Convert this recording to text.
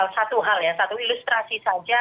satu hal ya satu ilustrasi saja